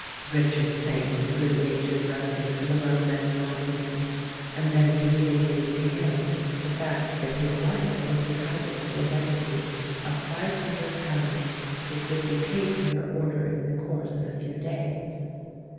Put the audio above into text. Richard thanked the good natured rustic for the well meant compliment, and then communicated to him the fact that his wife was entitled to a legacy of five hundred pounds, which would be paid to her order in the course of a few days.